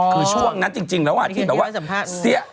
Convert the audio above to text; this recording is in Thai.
คือช่วงนั้นจริงแล้วที่แบบว่าเสี้ย